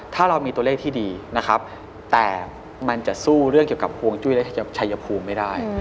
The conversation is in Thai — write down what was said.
ถ้าเรามีตัวเลขที่ดีนะครับแต่มันจะสู้เรื่องเกี่ยวกับห่วงจุ้ยชัยภูมิไม่ได้